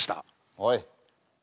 おい。